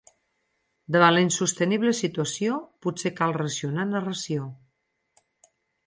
Davant la insostenible situació, potser cal racionar narració.